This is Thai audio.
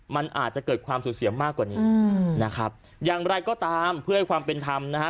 มันอาจจะเกิดความสูญเสียมากกว่านี้นะครับอย่างไรก็ตามเพื่อให้ความเป็นธรรมนะฮะ